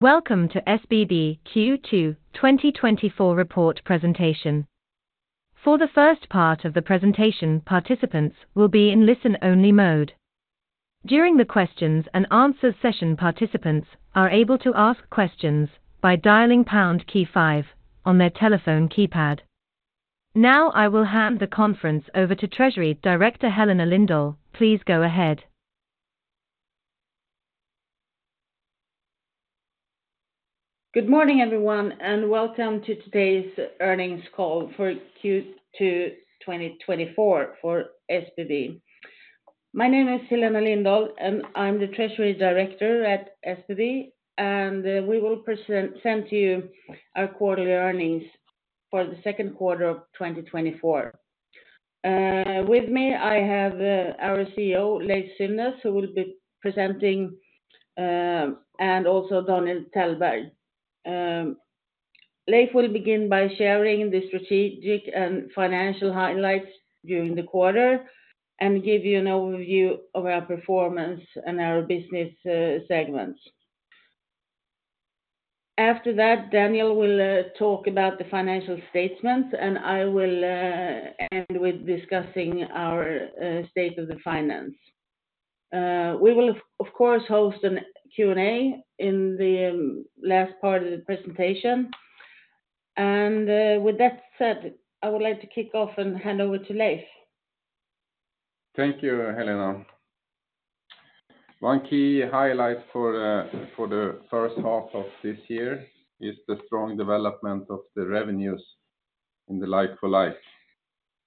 Welcome to SBB Q2 2024 report presentation. For the first part of the presentation, participants will be in listen-only mode. During the questions and answers session, participants are able to ask questions by dialing pound key five on their telephone keypad. Now, I will hand the conference over to Treasury Director, Helena Lindahl. Please go ahead. Good morning, everyone, and welcome to today's earnings call for Q2 2024 for SBB. My name is Helena Lindahl, and I'm the treasury director at SBB, and we will present and send to you our quarterly earnings for the Q2 of 2024. With me, I have our CEO, Leiv Synnes, who will be presenting and also Daniel Tellberg. Leiv will begin by sharing the strategic and financial highlights during the quarter and give you an overview of our performance and our business segments. After that, Daniel will talk about the financial statements, and I will end with discussing our state of the finance. We will of course host a Q&A in the last part of the presentation. With that said, I would like to kick off and hand over to Leiv. Thank you, Helena. One key highlight for the H1 of this year is the strong development of the revenues in the like-for-like,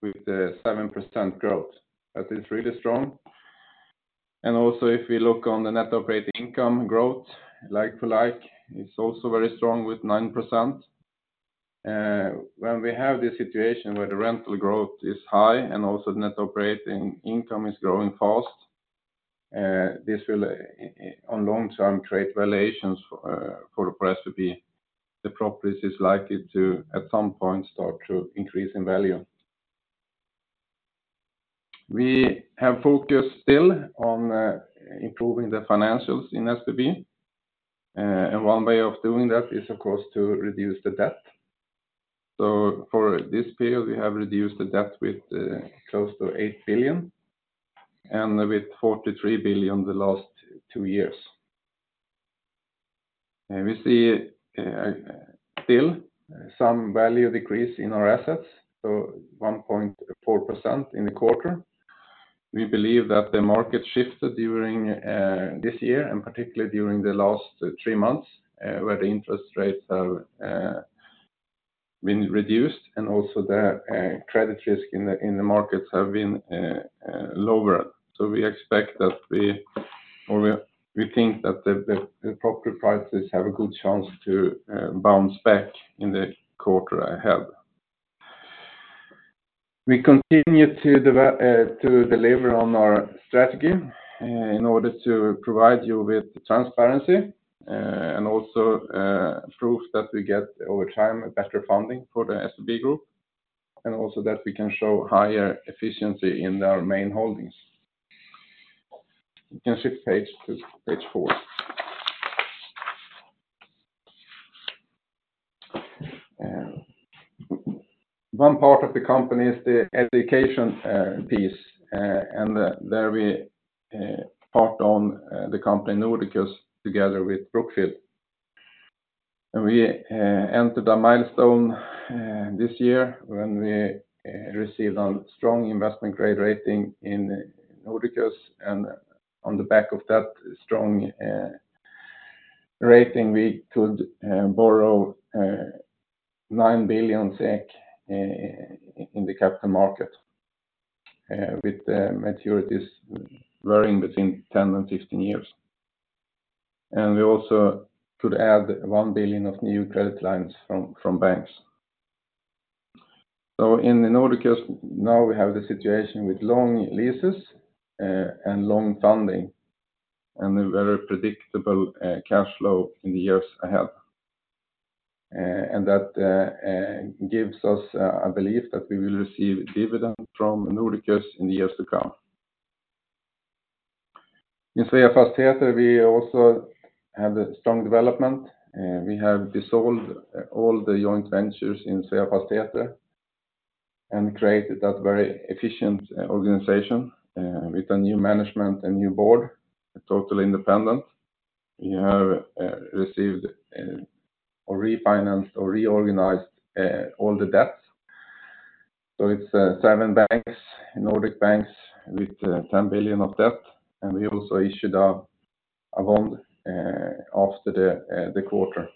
with 7% growth. That is really strong. And also, if we look on the net operating income growth, like for like, it's also very strong with 9%. When we have this situation where the rental growth is high and also net operating income is growing fast, this will, on long-term create valuations, for the properties. The properties is likely to, at some point, start to increase in value. We have focused still on, improving the financials in SBB, and one way of doing that is, of course, to reduce the debt. So for this period, we have reduced the debt with, close to 8 billion and with 43 billion the last two years. We see still some value decrease in our assets, so 1.4% in the quarter. We believe that the market shifted during this year, and particularly during the last three months, where the interest rates have been reduced and also the credit risk in the markets have been lower. We expect that the or we think that the property prices have a good chance to bounce back in the quarter ahead. We continue to deliver on our strategy in order to provide you with transparency and also proof that we get over time, a better funding for the SBB group, and also that we can show higher efficiency in our main holdings. You can shift page to page four. One part of the company is the education piece, and there we partly own the company Nordiqus, together with Brookfield. And we entered a milestone this year when we received a strong investment grade rating in Nordiqus, and on the back of that strong rating, we could borrow 9 billion SEK in the capital market with the maturities varying between 10 and 15 years. And we also could add 1 billion of new credit lines from banks. So in the Nordiqus, now we have the situation with long leases and long funding, and a very predictable cash flow in the years ahead. And that gives us a belief that we will receive dividend from Nordiqus in the years to come. In Sveafastigheter, we also have a strong development. We have dissolved all the joint ventures in Sveafastigheter and created that very efficient organization with a new management and new board, totally independent. We have received or refinanced or reorganized all the debts. It's seven Nordic banks with 10 billion of debt, and we also issued a bond after the quarter.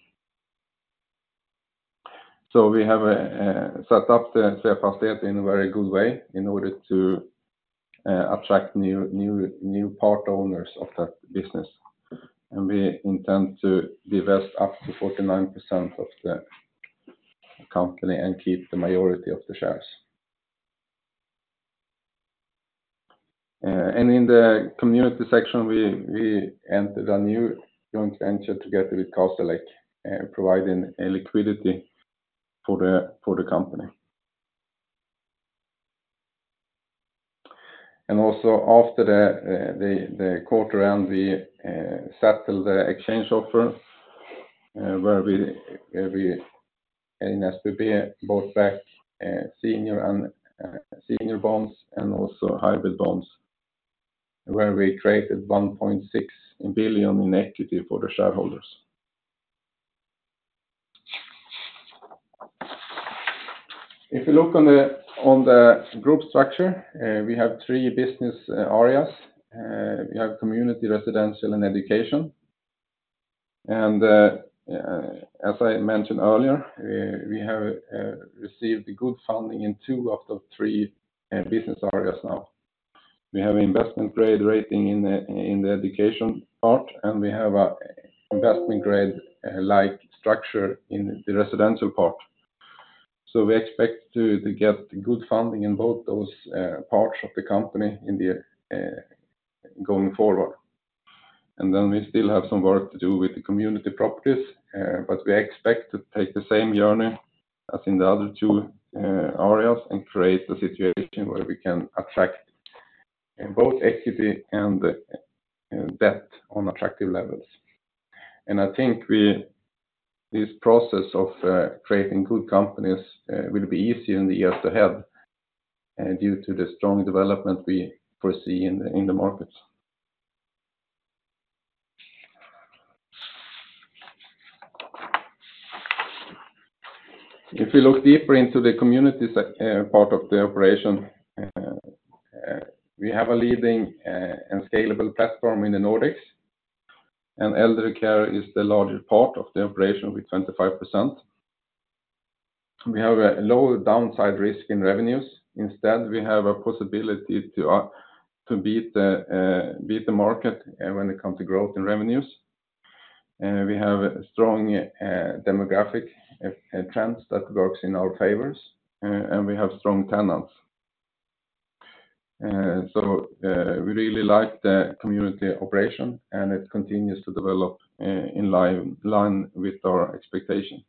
We have set up the Sveafastigheter in a very good way in order to attract new part owners of that business, and we intend to divest up to 49% of the company and keep the majority of the shares. And in the community section, we entered a new joint venture together with Castlelake, providing liquidity for the company. Also after the quarter end, we settled the exchange offer, where we in SBB bought back senior bonds and also hybrid bonds, where we created 1.6 billion in equity for the shareholders. If you look on the group structure, we have three business areas. We have community, residential, and education. As I mentioned earlier, we have received good funding in two of the three business areas now. We have investment grade rating in the education part, and we have a investment grade like structure in the residential part. So we expect to get good funding in both those parts of the company going forward. And then we still have some work to do with the community properties, but we expect to take the same journey as in the other two areas, and create a situation where we can attract both equity and debt on attractive levels. And I think this process of creating good companies will be easy in the years ahead due to the strong development we foresee in the markets. If you look deeper into the community part of the operation, we have a leading and scalable platform in the Nordics, and eldercare is the largest part of the operation with 25%. We have a lower downside risk in revenues. Instead, we have a possibility to beat the market when it comes to growth in revenues. We have a strong demographic trends that works in our favors and we have strong tenants. So we really like the community operation, and it continues to develop in line with our expectation.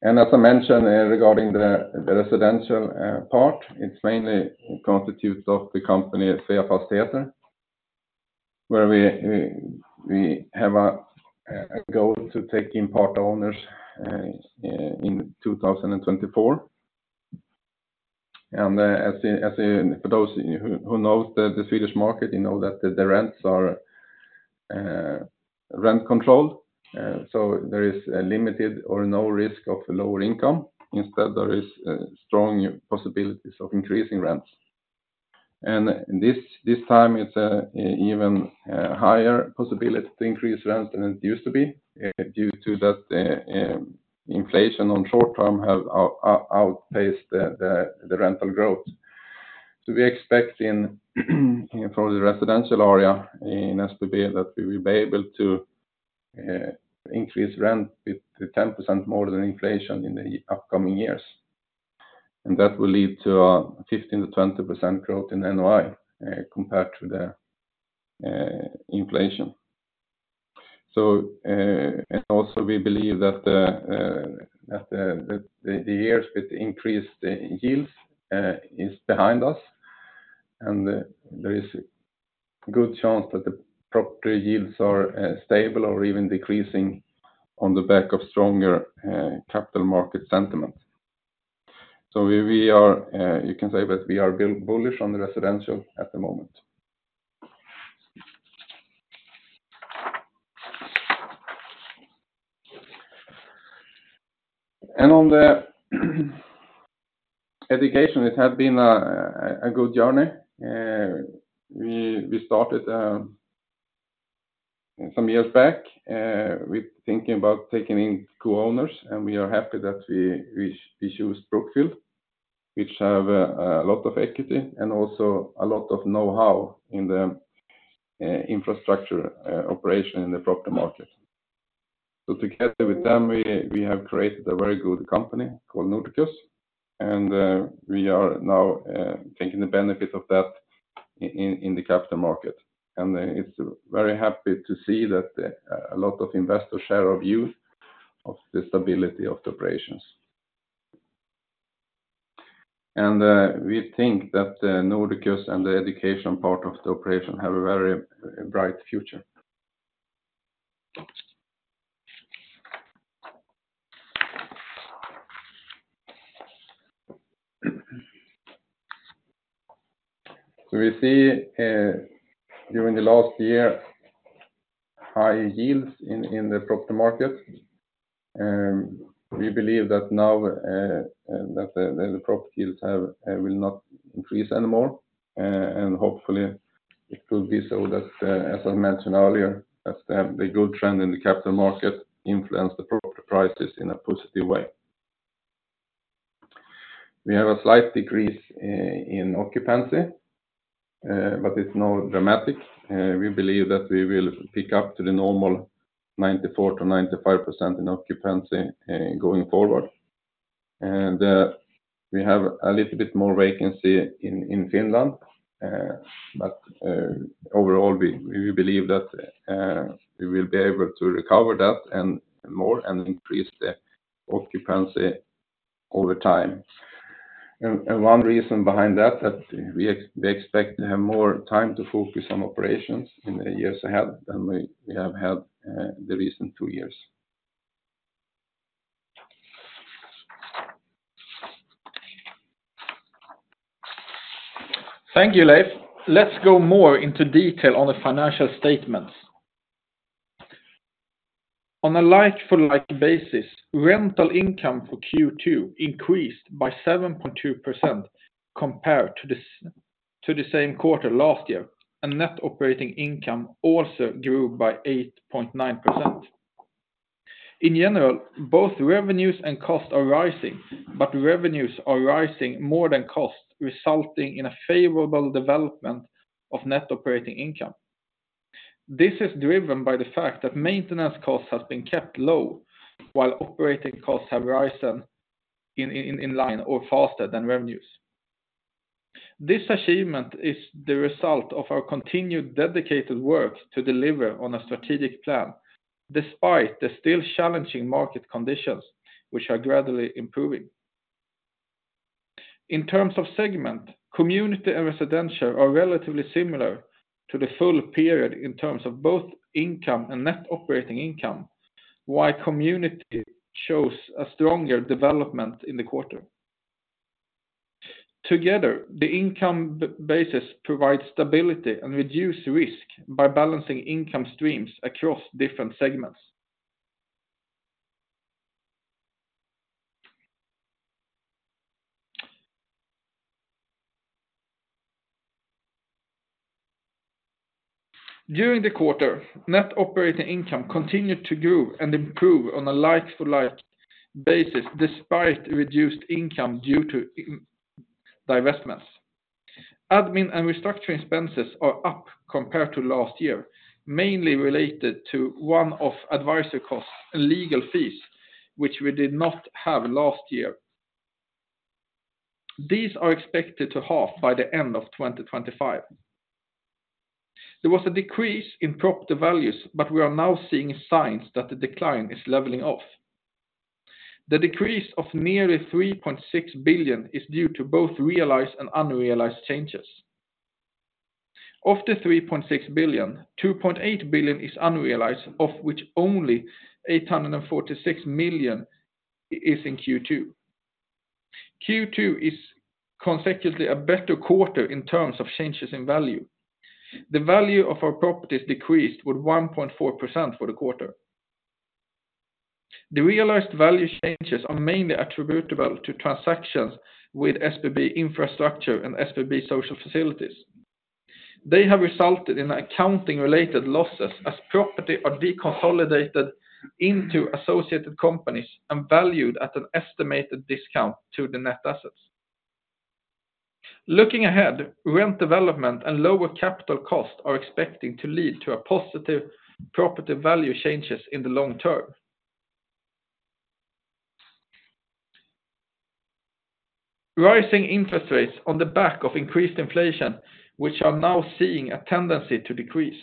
And as I mentioned regarding the residential part, it's mainly constitutes of the company, Sveafastigheter, where we have a goal to take in part owners in 2024. And as the for those who knows the Swedish market, you know that the rents are rent controlled so there is a limited or no risk of lower income. Instead, there is strong possibilities of increasing rents. And this time it's even higher possibility to increase rents than it used to be due to that inflation on short term have outpaced the rental growth. So we expect for the residential area in SBB that we will be able to increase rent with to 10% more than inflation in the upcoming years. And that will lead to a 15%-20% growth in NOI compared to the inflation. So and also we believe that the years with increased yields is behind us, and there is a good chance that the property yields are stable or even decreasing on the back of stronger capital market sentiment. So we are, you can say that we are bullish on the residential at the moment. And on the education, it has been a good journey. We started some years back with thinking about taking in co-owners, and we are happy that we chose Brookfield, which have a lot of equity and also a lot of know-how in the infrastructure operation in the property market. So together with them, we have created a very good company called Nordiqus, and we are now taking the benefit of that in the capital market. And it's very happy to see that a lot of investors share our view of the stability of the operations. We think that Nordiqus and the education part of the operation have a very bright future. We see during the last year high yields in the property market. We believe that now that the property yields will not increase anymore. Hopefully, it will be so that as I mentioned earlier, that the good trend in the capital market influence the property prices in a positive way. We have a slight decrease in occupancy, but it's not dramatic. We believe that we will pick up to the normal 94%-95% in occupancy going forward. We have a little bit more vacancy in Finland. But overall, we believe that we will be able to recover that and more and increase the occupancy over time. One reason behind that we expect to have more time to focus on operations in the years ahead than we have had the recent two years. Thank you, Leiv. Let's go more into detail on the financial statements. On a like for like basis, rental income for Q2 increased by 7.2% compared to the same quarter last year, and net operating income also grew by 8.9%. In general, both revenues and costs are rising, but revenues are rising more than costs, resulting in a favorable development of net operating income. This is driven by the fact that maintenance costs have been kept low, while operating costs have risen in line or faster than revenues. This achievement is the result of our continued dedicated work to deliver on a strategic plan, despite the still challenging market conditions, which are gradually improving. In terms of segment, community and residential are relatively similar to the full period in terms of both income and net operating income, while community shows a stronger development in the quarter. Together, the income basis provides stability and reduced risk by balancing income streams across different segments. During the quarter, net operating income continued to grow and improve on a like-for-like basis, despite reduced income due to divestments. Admin and restructuring expenses are up compared to last year, mainly related to one-off advisory costs and legal fees, which we did not have last year. These are expected to halve by the end of 2025. There was a decrease in property values, but we are now seeing signs that the decline is leveling off. The decrease of nearly 3.6 billion is due to both realized and unrealized changes. Of the 3.6 billion, 2.8 billion is unrealized, of which only 846 million is in Q2. Q2 is consecutively a better quarter in terms of changes in value. The value of our properties decreased with 1.4% for the quarter. The realized value changes are mainly attributable to transactions with SBB Infrastructure and SBB Social Facilities. They have resulted in accounting-related losses as property are deconsolidated into associated companies and valued at an estimated discount to the net assets. Looking ahead, rent development and lower capital costs are expecting to lead to a positive property value changes in the long term. Rising interest rates on the back of increased inflation, which are now seeing a tendency to decrease.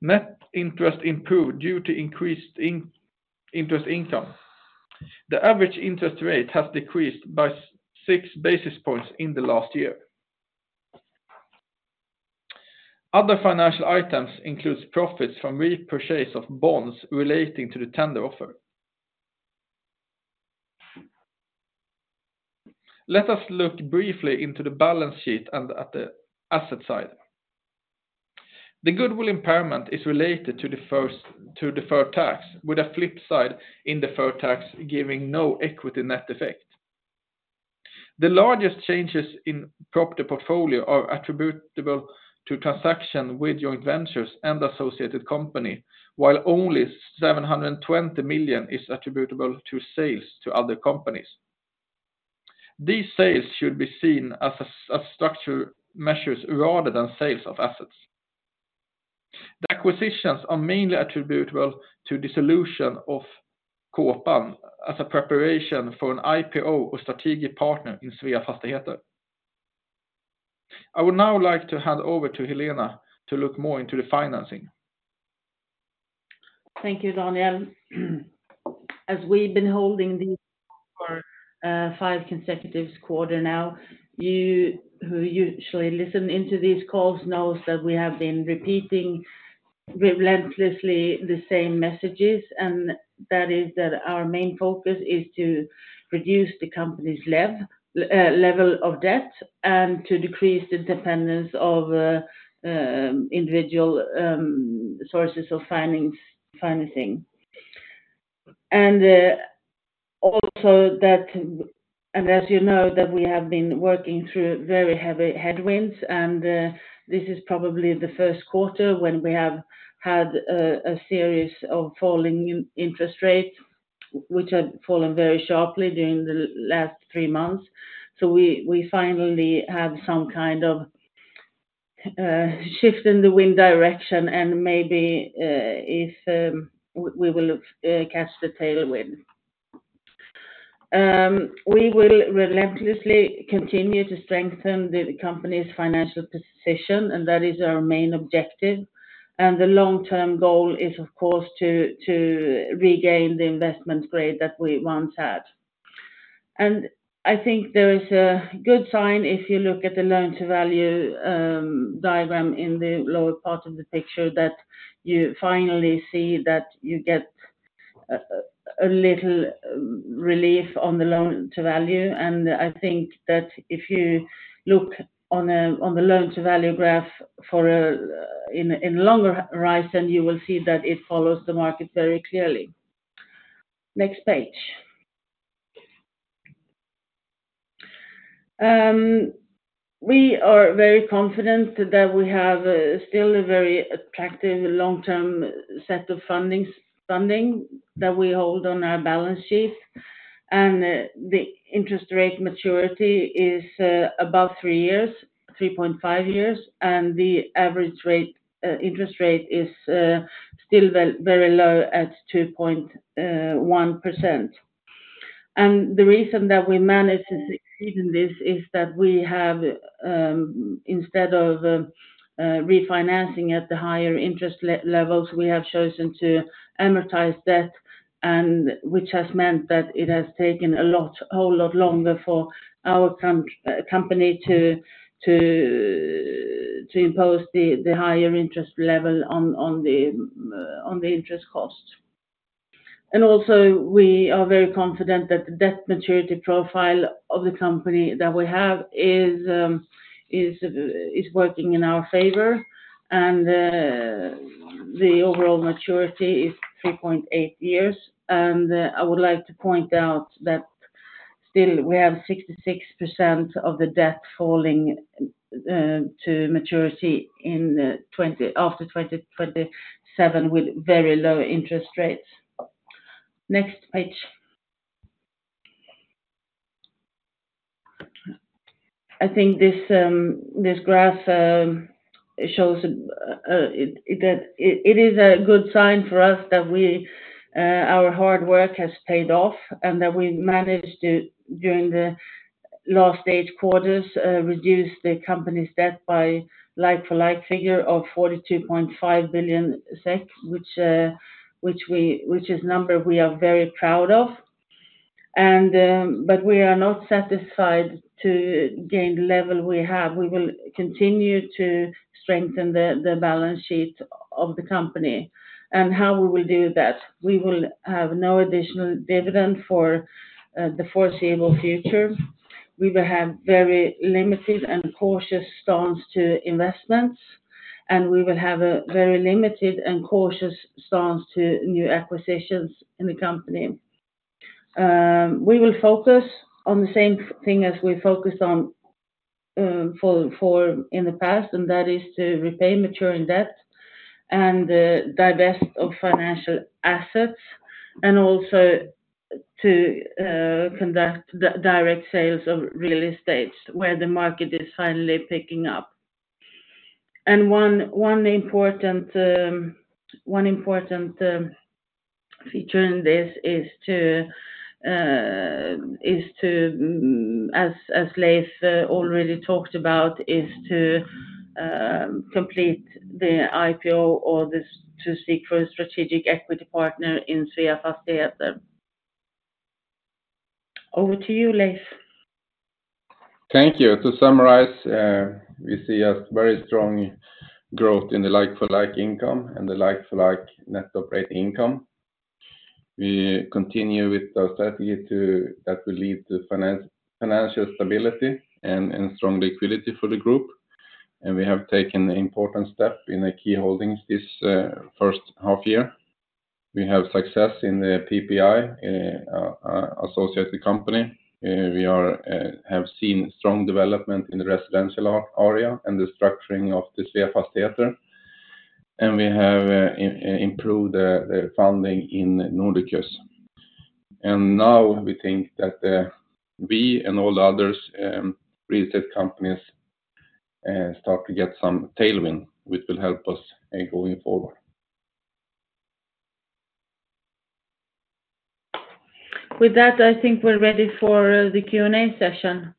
Net interest improved due to increased interest income. The average interest rate has decreased by six basis points in the last year. Other financial items includes profits from repurchase of bonds relating to the tender offer. Let us look briefly into the balance sheet and at the asset side. The goodwill impairment is related to deferred tax, with a flip side in deferred tax, giving no equity net effect. The largest changes in property portfolio are attributable to transaction with joint ventures and associated company, while only 720 million is attributable to sales to other companies. These sales should be seen as a structure measures rather than sales of assets. The acquisitions are mainly attributable to dissolution of Kåpan as a preparation for an IPO or strategic partner in Sveafastigheter. I would now like to hand over to Helena to look more into the financing. Thank you, Daniel. As we've been holding these for five consecutive quarter now, you who usually listen into these calls knows that we have been repeating relentlessly the same messages, and that is that our main focus is to reduce the company's level of debt and to decrease the dependence of individual sources of financing. And also that, and as you know, that we have been working through very heavy headwinds, and this is probably the Q1 when we have had a series of falling interest rates, which had fallen very sharply during the last three months. So we finally have some kind of shift in the wind direction, and maybe if we will catch the tailwind. We will relentlessly continue to strengthen the company's financial position, and that is our main objective. And the long-term goal is, of course, to regain the investment grade that we once had. And I think there is a good sign if you look at the loan-to-value diagram in the lower part of the picture, that you finally see that you get a little relief on the loan-to-value. And I think that if you look on the loan-to-value graph for in longer horizon, you will see that it follows the market very clearly. Next page. We are very confident that we have still a very attractive long-term set of funding that we hold on our balance sheet, and the interest rate maturity is about three years, 3.5 years, and the average rate interest rate is still very, very low at 2.1%. And the reason that we managed to achieve this is that we have, instead of refinancing at the higher interest levels, we have chosen to amortize debt, and which has meant that it has taken a lot, a whole lot longer for our company to impose the higher interest level on the interest costs. And also, we are very confident that the debt maturity profile of the company that we have is working in our favor, and the overall maturity is 3.8 years. And I would like to point out that still we have 66% of the debt falling to maturity after 2027, with very low interest rates. Next page. I think this graph shows that it is a good sign for us that our hard work has paid off, and that we managed to, during the last eight quarters, reduce the company's debt by like-for-like figure of 42.5 billion SEK, which is number we are very proud of. And but we are not satisfied to gain the level we have. We will continue to strengthen the balance sheet of the company. And how we will do that? We will have no additional dividend for the foreseeable future. We will have very limited and cautious stance to investments, and we will have a very limited and cautious stance to new acquisitions in the company. We will focus on the same thing as we focused on in the past, and that is to repay maturing debt and divest of financial assets, and also to conduct the direct sales of real estates where the market is finally picking up. And one important feature in this is to, as Leiv already talked about, complete the IPO or to seek for a strategic equity partner in Sveafastigheter. Over to you, Leiv. Thank you. To summarize, we see a very strong growth in the like-for-like income and the like-for-like net operating income. We continue with our strategy that will lead to financial stability and strong liquidity for the group, and we have taken the important step in the key holdings this H1 year. We have success in the PPI associated company. We have seen strong development in the residential area and the structuring of the Sveafastigheter, and we have improved the funding in Nordiqus. Now we think that we and all the others real estate companies start to get some tailwind, which will help us in going forward. With that, I think we're ready for the Q&A session.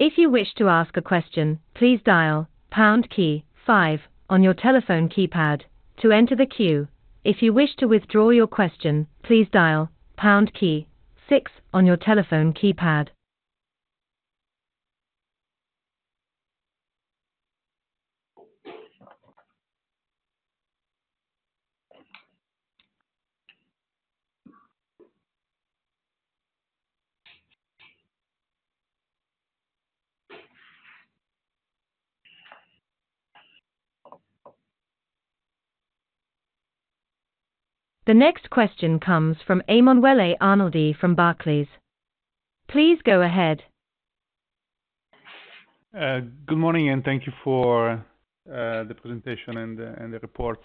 If you wish to ask a question, please dial pound key five on your telephone keypad to enter the queue. If you wish to withdraw your question, please dial pound key six on your telephone keypad. The next question comes from Emanuele Arnoldi from Barclays. Please go ahead. Good morning, and thank you for the presentation and the report.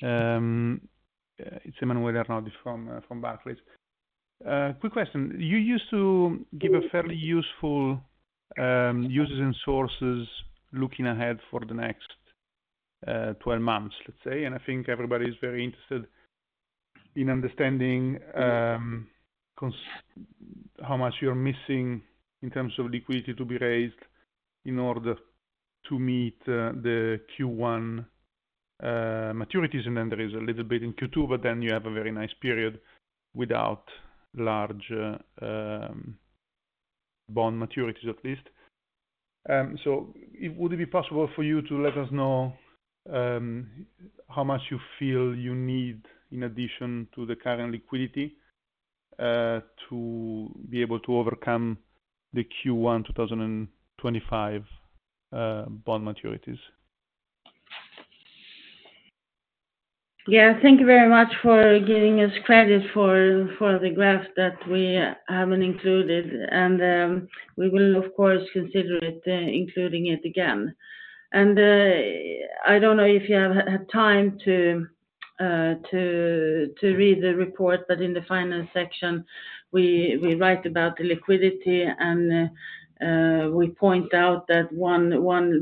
It's Emanuele Arnoldi from Barclays. Quick question, you used to give a fairly useful uses and sources looking ahead for the next 12 months, let's say, and I think everybody's very interested in understanding how much you're missing in terms of liquidity to be raised in order to meet the Q1 maturities, and then there is a little bit in Q2, but then you have a very nice period without large bond maturities, at least. So would it be possible for you to let us know how much you feel you need in addition to the current liquidity to be able to overcome the Q1, 2025 bond maturities? Yeah, thank you very much for giving us credit for the graph that we haven't included, and we will, of course, consider it, including it again. And I don't know if you have had time to read the report, but in the finance section, we write about the liquidity and we point out that one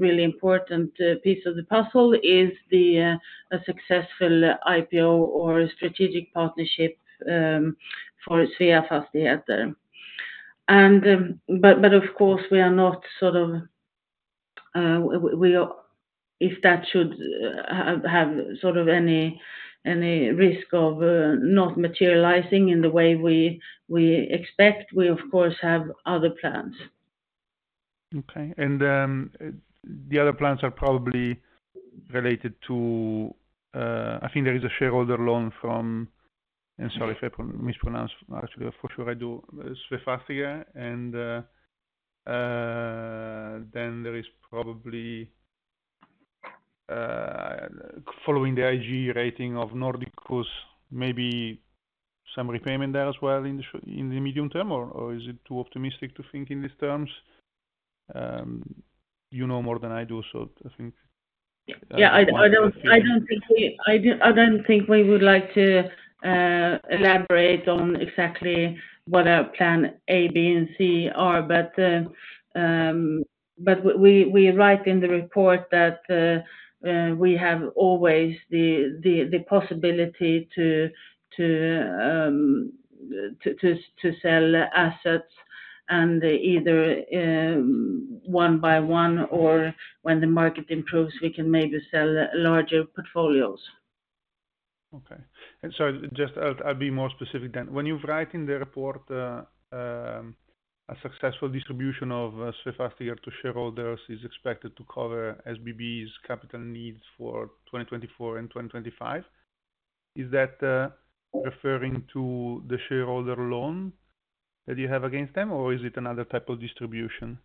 really important piece of the puzzle is a successful IPO or strategic partnership for Sveafastigheter. And but of course, we are not sort of - we are, if that should have sort of any risk of not materializing in the way we expect, we of course have other plans. Okay. And the other plans are probably related to, I think, there is a shareholder loan from, and sorry if I mispronounce, actually, for sure, I do, Sveafastigheter, and then there is probably following the IG rating of Nordiqus because maybe some repayment there as well in the short to medium term, or is it too optimistic to think in these terms? You know more than I do, so I think- Yeah, I don't think we would like to elaborate on exactly what our plan A, B, and C are, but we write in the report that we have always the possibility to sell assets and either one by one or when the market improves, we can maybe sell larger portfolios. Okay. So just I'll be more specific then. When you write in the report, a successful distribution of Sveafastigheter to shareholders is expected to cover SBB's capital needs for 2024 and 2025, is that referring to the shareholder loan that you have against them, or is it another type of distribution?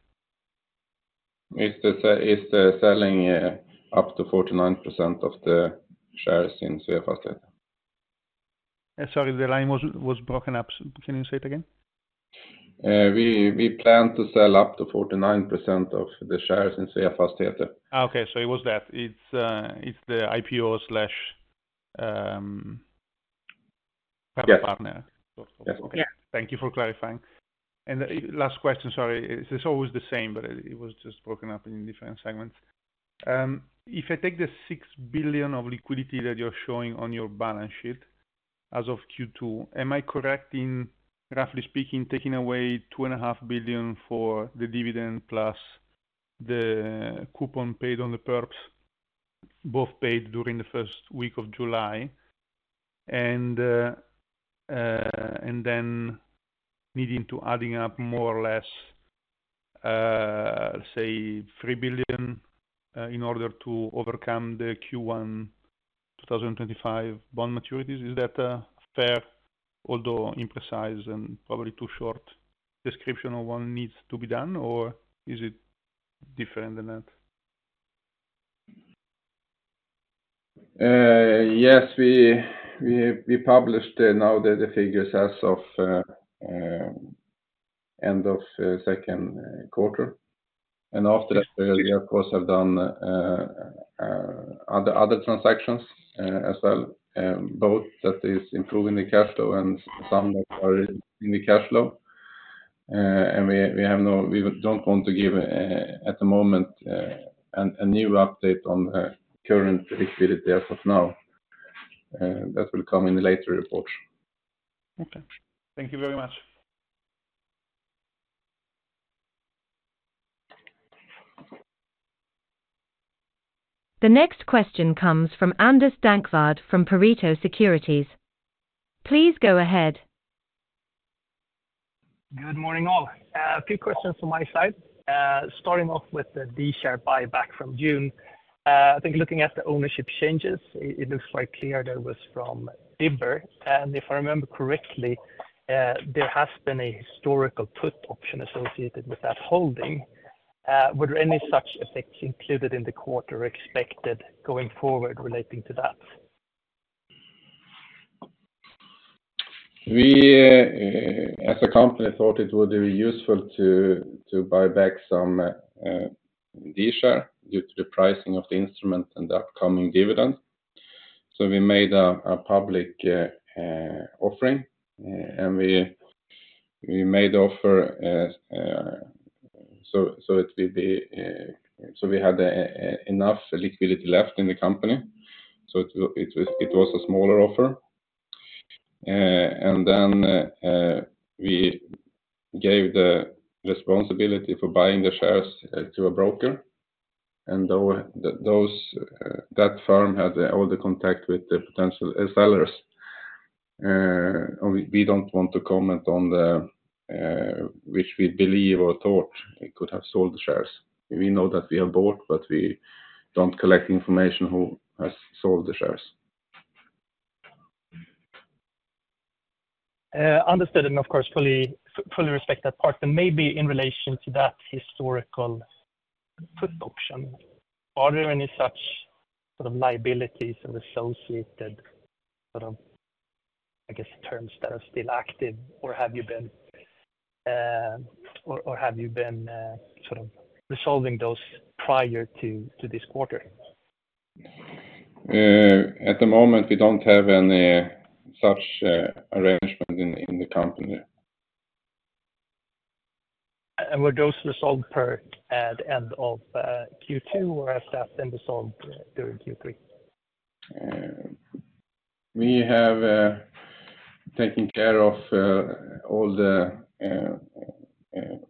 It's the selling up to 49% of the shares in Sveafastigheter. Sorry, the line was broken up. Can you say it again? We plan to sell up to 49% of the shares in Sveafastigheter. Okay, so it was that. It's the IPO slash- Yes. Partner. Yes. Okay. Thank you for clarifying. And last question, sorry. It's always the same, but it was just broken up in different segments. If I take the 6 billion of liquidity that you're showing on your balance sheet as of Q2, am I correct in roughly speaking, taking away 2.5 billion for the dividend plus the coupon paid on the perps, both paid during the first week of July, and then needing to adding up more or less, say, 3 billion, in order to overcome the Q1 2025 bond maturities, is that fair, although imprecise and probably too short description of what needs to be done, or is it different than that? Yes, we published now the figures as of end of Q2. After that, we, of course, have done other transactions as well, both that is improving the cash flow and some that are in the cash flow, and we don't want to give at the moment a new update on current liquidity as of now. That will come in the later report. Okay. Thank you very much. The next question comes from Anders Dankvardt from Pareto Securities. Please go ahead. Good morning, all. A few questions from my side. Starting off with the D-share buyback from June. I think looking at the ownership changes, it looks quite clear that was from Dibber, and if I remember correctly, there has been a historical put option associated with that holding. Would any such effects included in the quarter expected going forward relating to that? We, as a company, thought it would be useful to buy back some D-share due to the pricing of the instrument and the upcoming dividend, so we made a public offering, so we had enough liquidity left in the company, so it was a smaller offer. Then we gave the responsibility for buying the shares to a broker, and that firm had all the contact with the potential sellers, and we don't want to comment on which we believe or thought we could have sold the shares. We know that we have bought, but we don't collect information who has sold the shares. Understood, and of course, fully respect that part. And maybe in relation to that historical put option, are there any such sort of liabilities or associated sort of, I guess, terms that are still active, or have you been sort of resolving those prior to this quarter? At the moment, we don't have any such arrangement in the company. And were those resolved by the end of Q2, or has that been resolved during Q3? We have taken care of all the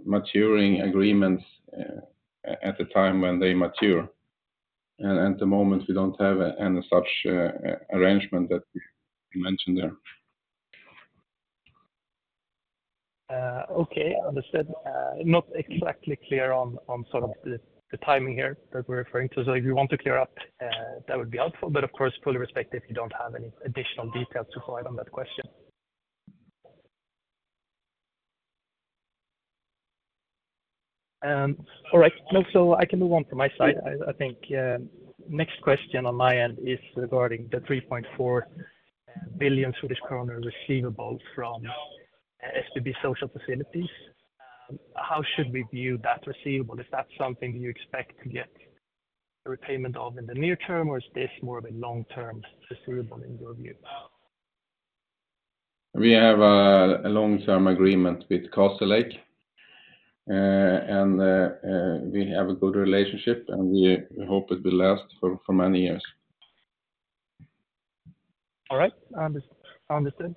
maturing agreements at the time when they mature. At the moment, we don't have any such arrangement that you mentioned there. Okay, understood. Not exactly clear on sort of the timing here that we're referring to. So if you want to clear up, that would be helpful, but of course, fully respect if you don't have any additional details to provide on that question. All right. No, so I can move on from my side. I think next question on my end is regarding the 3.4 billion Swedish kronor receivables from SBB Social Facilities. How should we view that receivable? Is that something you expect to get a repayment of in the near term, or is this more of a long-term receivable in your view? We have a long-term agreement with Castlelake, and we have a good relationship, and we hope it will last for many years. All right, understood.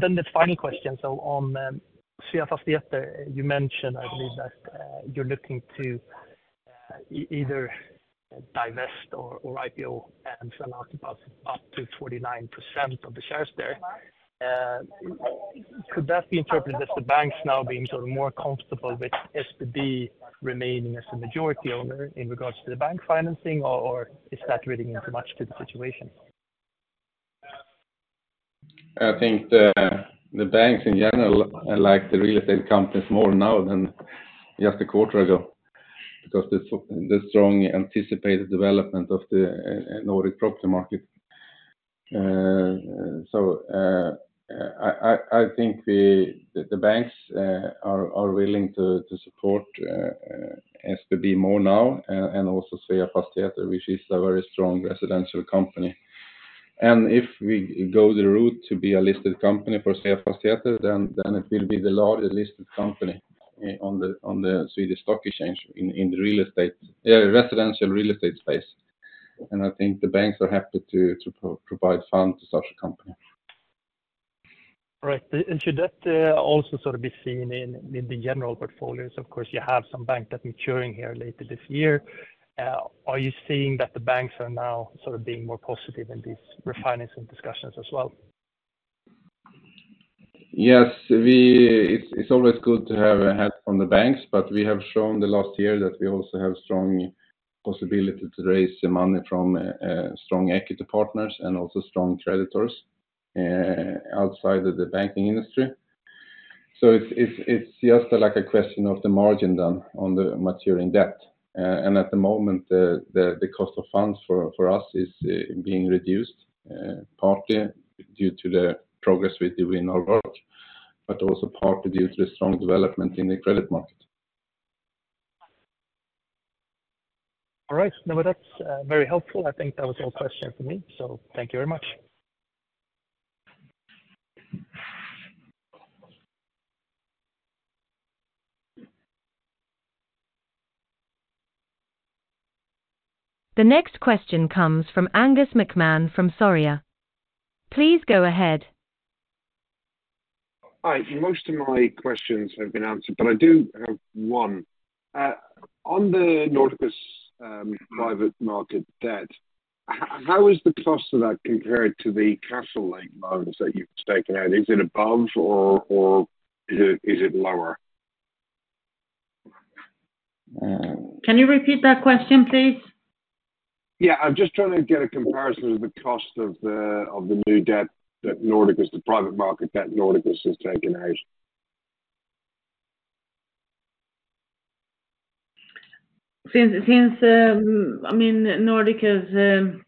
Then the final question, so on Sveafastigheter, you mentioned, I believe, that you're looking to either divest or IPO and sell out about up to 49% of the shares there. Could that be interpreted as the banks now being sort of more comfortable with SBB remaining as the majority owner in regards to the bank financing, or is that reading too much into the situation? I think the banks in general like the real estate companies more now than just a quarter ago, because the strong anticipated development of the Nordic property market, so I think the banks are willing to support SBB more now, and also Sveafastigheter, which is a very strong residential company, and if we go the route to be a listed company for Sveafastigheter, then it will be the largest listed company on the Swedish Stock Exchange in the real estate residential real estate space, and I think the banks are happy to provide funds to such a company. Right. And should that also sort of be seen in the general portfolios? Of course, you have some banks that are maturing here later this year. Are you seeing that the banks are now sort of being more positive in these refinancing discussions as well? Yes, it's always good to have a help from the banks, but we have shown the last year that we also have strong possibility to raise the money from strong equity partners and also strong creditors outside of the banking industry. So it's just like a question of the margin then on the maturing debt, and at the moment, the cost of funds for us is being reduced, partly due to the progress with do in our work, but also partly due to the strong development in the credit market. All right. No, that's very helpful. I think that was all questions for me, so thank you very much. The next question comes from Angus McMahon from Sona. Please go ahead. Hi. Most of my questions have been answered, but I do have one. On the Nordiqus private market debt, how is the cost of that compared to the Castlelake loans that you've taken out? Is it above or is it lower? Uh- Can you repeat that question, please? Yeah, I'm just trying to get a comparison of the cost of the new debt that Nordiqus, the private market debt Nordiqus has taken out. Since, I mean, Nordiqus has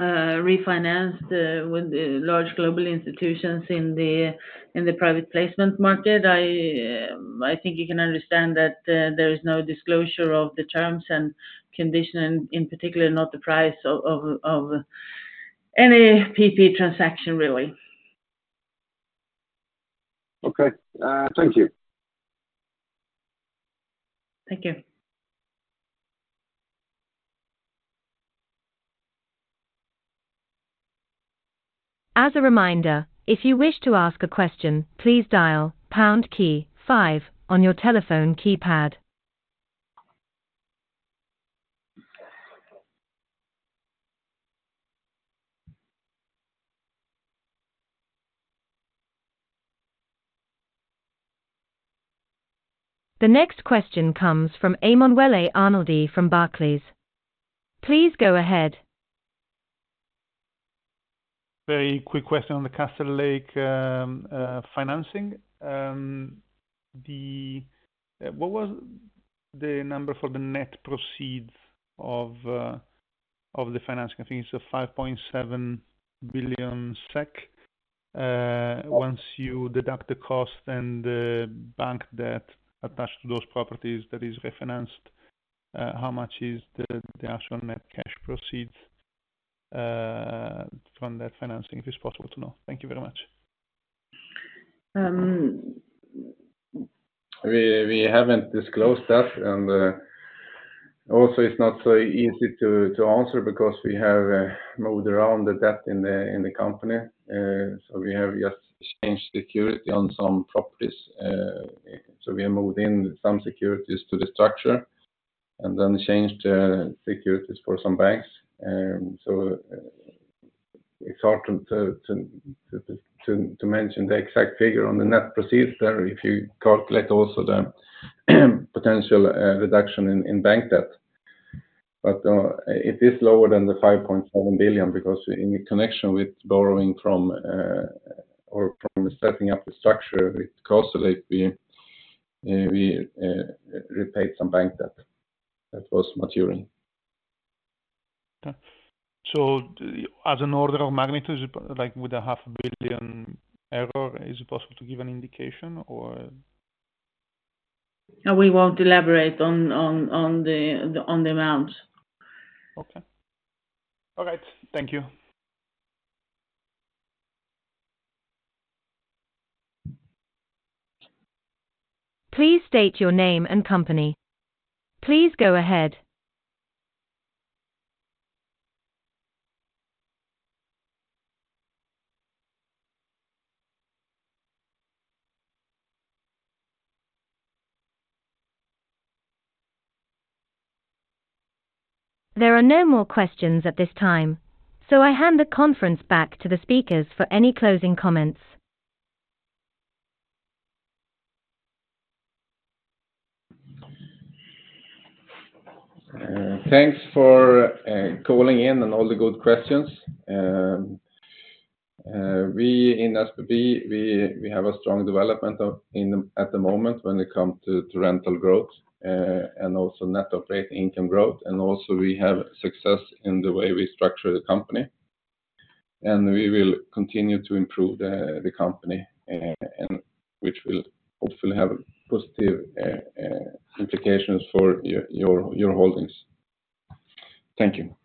refinanced with the large global institutions in the private placement market, I think you can understand that there is no disclosure of the terms and conditions, and in particular, not the price of any PP transaction, really. Okay. Thank you. Thank you. As a reminder, if you wish to ask a question, please dial pound key five on your telephone keypad. The next question comes from Emanuele Arnoldi from Barclays. Please go ahead. Very quick question on the Castlelake financing. What was the number for the net proceeds of the financing? I think it's 5.7 billion SEK. Once you deduct the cost and the bank debt attached to those properties that is refinanced, how much is the actual net cash proceeds from that financing, if it's possible to know? Thank you very much. We haven't disclosed that, and also it's not so easy to answer because we have moved around the debt in the company. So we have just changed security on some properties. So we have moved in some securities to the structure and then changed securities for some banks. So it's hard to mention the exact figure on the net proceeds there, if you calculate also the potential reduction in bank debt. But it is lower than the five point seven billion, because in connection with borrowing from or from setting up the structure with Castlelake, we repaid some bank debt that was maturing. So as an order of magnitude, like with a 500 million error, is it possible to give an indication or? No, we won't elaborate on the amounts. Okay. All right. Thank you. Please state your name and company. Please go ahead. There are no more questions at this time, so I hand the conference back to the speakers for any closing comments. Thanks for calling in and all the good questions. We in SBB have a strong development of in the at the moment when it comes to rental growth, and also net operating income growth, and also we have success in the way we structure the company, and we will continue to improve the company, and which will hopefully have positive implications for your holdings. Thank you.